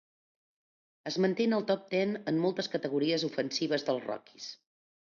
Es manté en el top ten en moltes categories ofensives dels Rockies.